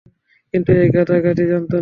কিন্তু এই গাধা-গাধি জানত না।